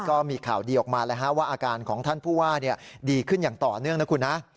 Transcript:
ก็มีข่าวดีออกมาแล้วว่าอาการของท่านผู้ว่าดีขึ้นอย่างต่อเนื่องนะคุณฮะ